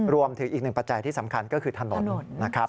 รวมถึงอีกหนึ่งปัจจัยที่สำคัญก็คือถนนนะครับ